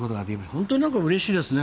本当に何かうれしいですね。